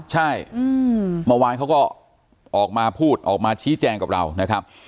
ใช่เมื่อวานเขาก็ออกมาพูดออกมาชี้แจงกับเรานะครับ